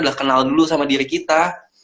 udah kenal dulu sama diri kita